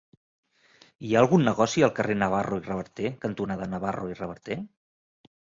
Hi ha algun negoci al carrer Navarro i Reverter cantonada Navarro i Reverter?